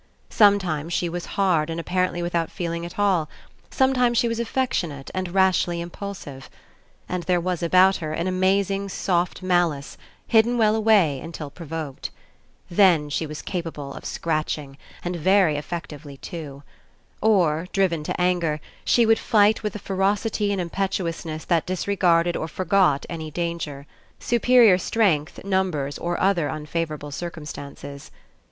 pometlmes she 6 ENCOUNTER was hard and apparently without feeling at all; sometimes she was affectionate and rashly Im pulsive. And there was about her an amazing soft malice, hidden well away until provoked. Then she was capable of scratching, and very effectively too. Or, driven to anger, she would fight with a ferocity and impetuousness that disregarded or forgot any danger; superior strength, numbers, or other unfavourable cir cumstances.